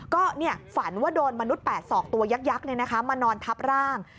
ก็ฝันว่าโดนมนุษย์๘ศอกตัวยักษ์มานอนทับร่าง